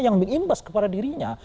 yang mengimbas kepada dirinya